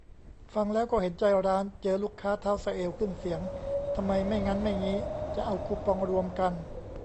ฟังแล้วก็เห็นใจร้าน เจอลูกค้าเท้าสะเอว ขึ้นเสียง ทำไมไม่งั้นไม่งี้ จะเอาคูปองรวมกัน